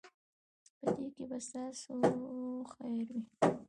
په دې کې به ستاسو خیر وي.